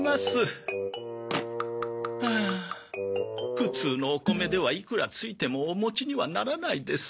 普通のお米ではいくらついてもお餅にはならないです。